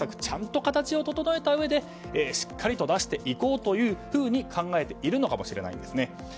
ちゃんと形を整えたうえでしっかりと出していこうと考えているのかもしれないんですね。